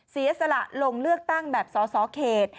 เสียสละลงเลือกตั้งแบบสสเขต